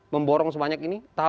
memborong sebanyak ini